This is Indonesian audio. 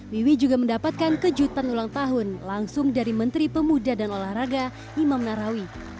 wiwi juga mendapatkan kejutan ulang tahun langsung dari menteri pemuda dan olahraga imam narawi